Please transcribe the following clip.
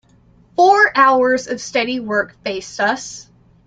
Four hours of steady work faced us.